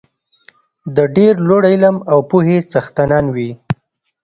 د ډېر لوړ علم او پوهې څښتنان وي.